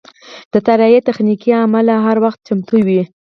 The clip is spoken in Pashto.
د طیارې تخنیکي عمله هر وخت چمتو وي.